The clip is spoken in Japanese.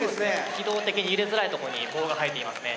軌道的に入れづらいとこに棒が入っていますね。